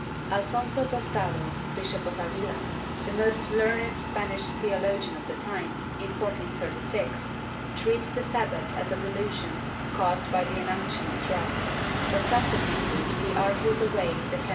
Alfonso Tostado, Bishop of Avila, the most learned Spanish theologian of the time, in 1436 treats the Sabbat as a delusion caused by the inunction of drugs, but subsequently he argues away the can.